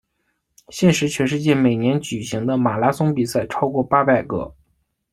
现时全世界每年举行的马拉松比赛超过八百个。